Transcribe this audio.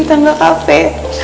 dari tangga kafe